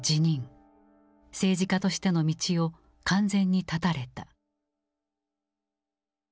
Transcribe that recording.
政治家としての道を完全に断たれた。